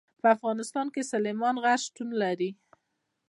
په افغانستان کې سلیمان غر شتون لري.